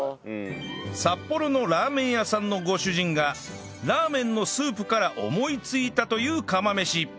札幌のラーメン屋さんのご主人がラーメンのスープから思いついたという釜飯